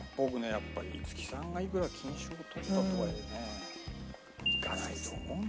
やっぱり五木さんがいくら金賞をとったとはいえねいかないと思うんだよね。